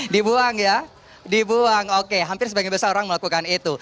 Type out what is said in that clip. dibuang ya dibuang oke hampir sebagian besar orang melakukan itu